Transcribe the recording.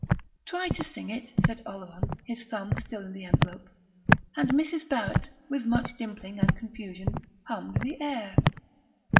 '" "Try to sing it," said Oleron, his thumb still in the envelope; and Mrs. Barrett, with much dimpling and confusion, hummed the air.